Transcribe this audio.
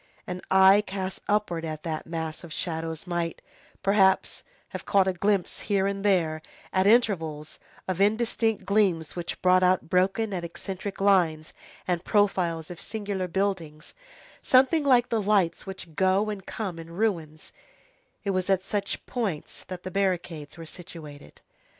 An eye cast upward at that mass of shadows might, perhaps, have caught a glimpse here and there, at intervals, of indistinct gleams which brought out broken and eccentric lines, and profiles of singular buildings, something like the lights which go and come in ruins; it was at such points that the barricades were situated.